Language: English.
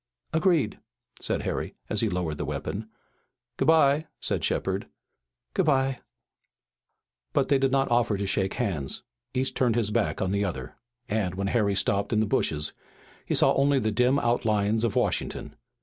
"Agreed," said Harry, as he lowered the weapon. "Good bye," said Shepard. "Good bye." But they did not offer to shake hands. Each turned his back on the other, and, when Harry stopped in the bushes, he saw only the dim outlines of Washington.